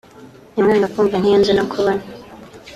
nyamwanga kumva ntiyanze no kubona